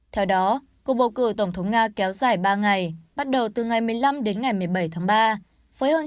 theo đó cuộc bầu cử tổng thống nga kéo dài ba ngày bắt đầu từ ngày một mươi năm đến ngày một mươi bảy tháng ba với hơn